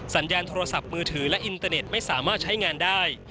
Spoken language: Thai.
สัญญาณโทรศัพท์มือถือและอินเตอร์เน็ตไม่สามารถใช้งานได้